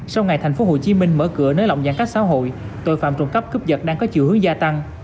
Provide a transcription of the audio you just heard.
sau ngày tp hcm mở cửa nới lỏng giãn cách xã hội tội phạm trộm cắp cướp giật đang có chiều hướng gia tăng